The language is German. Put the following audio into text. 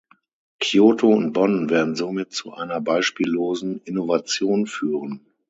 Kyoto und Bonn werden somit zu einer beispiellosen Innovation führen.